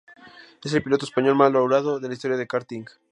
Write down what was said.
Es el piloto español más laureado de la historia del karting.